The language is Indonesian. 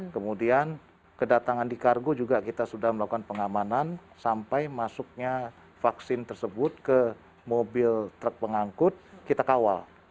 kemudian kedatangan di kargo juga kita sudah melakukan pengamanan sampai masuknya vaksin tersebut ke mobil truk pengangkut kita kawal